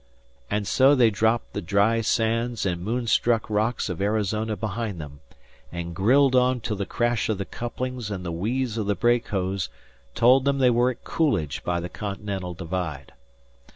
And so they dropped the dry sands and moon struck rocks of Arizona behind them, and grilled on till the crash of the couplings and the wheeze of the brake hose told them they were at Coolidge by the Continental Divide.